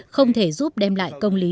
không thể giúp đem lại công lý